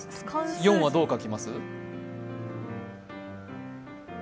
４はどう書きます？